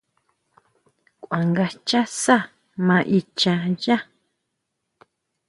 Kuá nga xchá sá maa ichá yá.